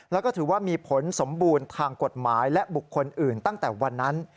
แล้วก็ถือว่ามีผลสมบูรณ์ทางกฎหมายและบุคคลอื่นตั้งแต่วันนั้น